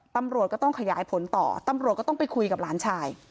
ตำรวจก็ต้องขยายผลต่อตำรวจก็ต้องไปคุยกับหลานชาย